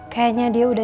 kayaknya dia sudah